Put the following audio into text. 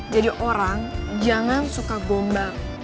jadi orang jangan suka gombal